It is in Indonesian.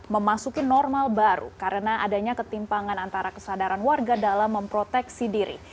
memasuki normal baru karena adanya ketimpangan antara kesadaran warga dalam memproteksi diri